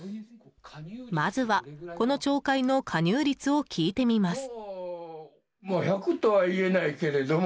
まずは、この町会の加入率を聞いてみます。